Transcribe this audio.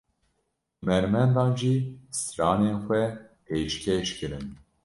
Hunermendan jî stranên xwe pêşkêş kirin.